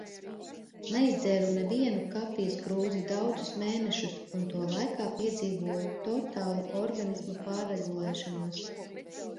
Neizdzēru nevienu kafijas krūzi daudzus mēnešus, un to laikā piedzīvoju totālu organisma pārregulēšanos.